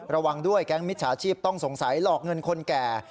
ระวังด้วยแก๊งมิจฉาชีพต้องสงสัยหลอกเงินคนแก่